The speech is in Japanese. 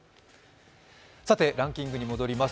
さてランキングに戻ります。